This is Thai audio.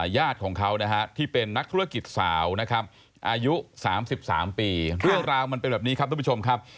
ญาติของเขานะฮะที่เป็นนักธุรกิจสาวนะครับอายุ๓๓ปีเรื่องราวมันเป็นแบบนี้ครับทุกผู้ชมครับ